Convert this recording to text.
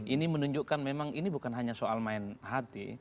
ini menunjukkan memang ini bukan hanya soal main hati